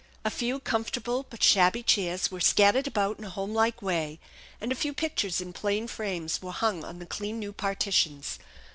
A few comfortable but shabby chairs were scattered about in a homelike way, and a few pictures in plain frames were hung on the clean new partitions.